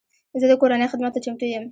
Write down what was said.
زه د کورنۍ خدمت ته چمتو یم.